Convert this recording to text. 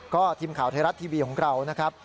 ก็ทีมข่าวไทยรัฐทีวีของเรานะครับ